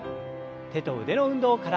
手と腕の運動から。